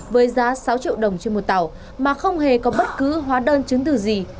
với giá sáu triệu đồng trên một tàu mà không hề có bất cứ hóa đơn chứng từ gì